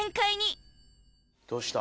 どうした？